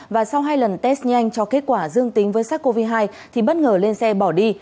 và sau hai lần test nhanh cho kết quả dương tính với sars cov hai thì bất ngờ lên xe bỏ đi